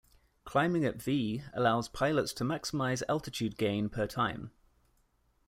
Climbing at V allows pilots to maximize altitude gain per time.